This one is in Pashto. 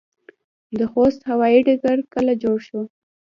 د خوست هوايي ډګر کله جوړ شو؟